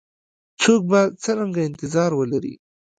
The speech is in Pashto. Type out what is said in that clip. څوک به څرنګه انتظار ولري؟